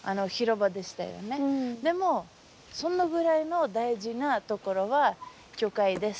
でもそのぐらいの大事な所は教会です。